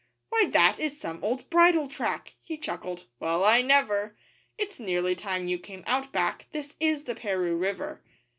'Why, that is some old bridle track!' He chuckled, 'Well, I never! 'It's nearly time you came out back 'This is the Paroo River!